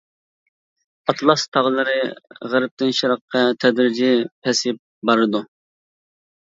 ئاتلاس تاغلىرى غەربتىن شەرققە تەدرىجىي پەسىيىپ بارىدۇ.